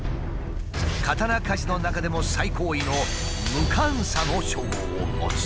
刀鍛冶の中でも最高位の「無鑑査」の称号を持つ。